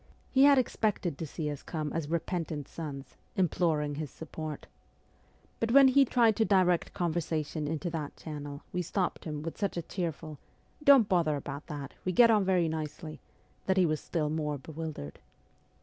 He had expected to see us come as repentant sons, imploring his support. But when he tried to direct conversation into that channel we stopped him with such a cheerful ' Don't bother about that ; we get on very nicely,' that he was still more bewildered.